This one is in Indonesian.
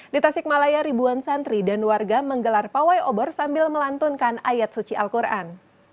di tasikmalaya ribuan santri dan warga menggelar pawai obor sambil melantunkan ayat suci al quran